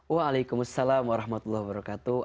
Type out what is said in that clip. waalaikumsalam warahmatullahi wabarakatuh